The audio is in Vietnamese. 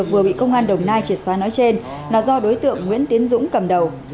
vừa bị công an đồng nai triệt xóa nói trên là do đối tượng nguyễn tiến dũng cầm đầu